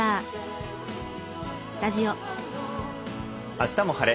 「あしたも晴れ！